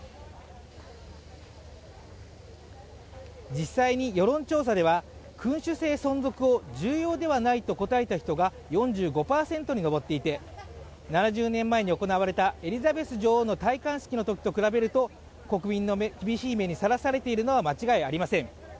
実際に世論調査では君主制存続を重要ではないと答えた人が４５％に上っていて７０年前に行われたエリザベス女王の戴冠式のときと比べると国民の厳しい目にさらされているのは間違いありません。